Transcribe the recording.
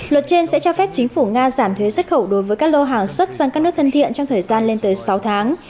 luật trên sẽ cho phép chính phủ nga giảm thuế xuất khẩu đối với các lô hàng xuất sang các nước thân thiện trong thời gian lên tới sáu tháng